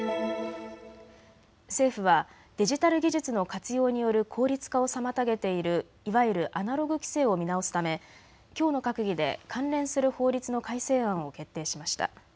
政府はデジタル技術の活用による効率化を妨げているいわゆるアナログ規制を見直すためきょうの閣議で関連する法律の改正案を決定しました。